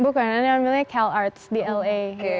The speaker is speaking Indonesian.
bukan yang diambilnya cal arts di la